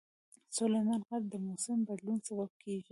سلیمان غر د موسم د بدلون سبب کېږي.